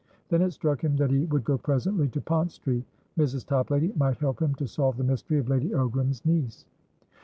Then it struck him that he would go presently to Pont Street; Mrs. Toplady might help him to solve the mystery of Lady Ogram's niece.